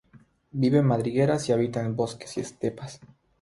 Vive en madrigueras y habita en bosques y estepas.